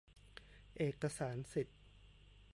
เอกสารสิทธิ์